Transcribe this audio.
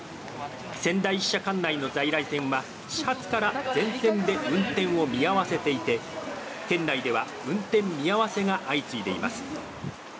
仙台支社管内の在来線は、始発から全線で運転を見合わせていて、県内では運転見合わせが相次いでいます。